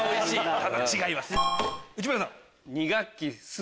ただ違います。